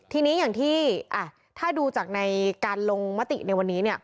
ทีนี้อย่างที่ถ้าดูจากในการลงมติในวันนี้